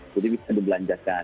jadi bisa dibelanjakan